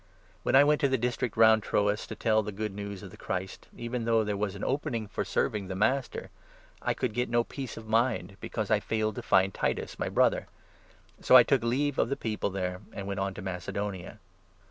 When I went to the district round Troas to tell the Good 12 News of the Christ, even though there was an opening for serving the Master, I could get no peace of mind because I 13 failed to find Titus, my Brother ; so I took leave of the people there, and went on to Macedonia.